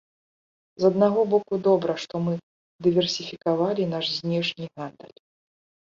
З аднаго боку, добра, што мы дыверсіфікавалі наш знешні гандаль.